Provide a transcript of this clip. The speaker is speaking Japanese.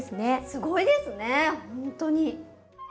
すごいですねほんとに。